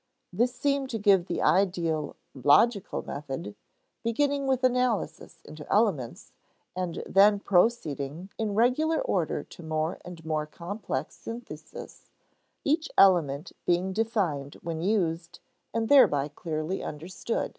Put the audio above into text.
This seemed to give the ideal "logical" method, beginning with analysis into elements, and then proceeding in regular order to more and more complex syntheses, each element being defined when used, and thereby clearly understood.